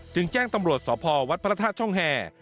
จึงแจ้งตำรวจสพวัดพระธาตุช่องแห่